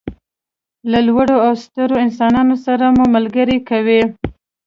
له لوړو او سترو انسانانو سره مو ملګري کوي.